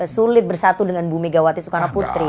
sulit bersatu dengan bu megawati soekarnoputri